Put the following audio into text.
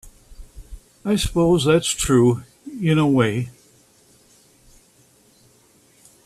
I suppose that's true in a way.